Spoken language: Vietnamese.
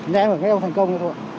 nhà em ở bên ông thành công